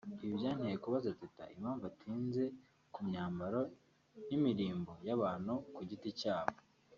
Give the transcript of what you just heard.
Ibi byanteye kubaza Teta impamvu atinze ku myambaro n’imirimbo y’abantu ku giti cyabo